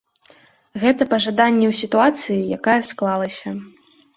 Гэта пажаданне ў сітуацыі, якая склалася.